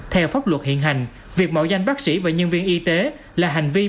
theo pháp luật hiện hành việc mẫu danh bác sĩ và nhân viên y tế là hành vi